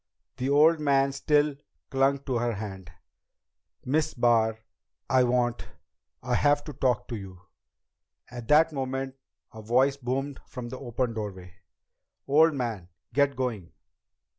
The old man still clung to her hand. "Miss Barr I want I have to talk to you " At that moment a voice boomed from the open doorway. "Old man! Get going!"